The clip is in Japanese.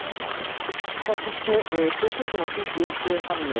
さあ、そして東京都の新規陽性判明。